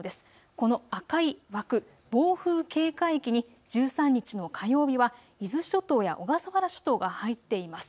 この赤い枠、暴風警戒域に１３日の火曜日は伊豆諸島や小笠原諸島が入っています。